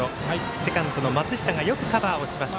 セカンドの松下がよくカバーしました。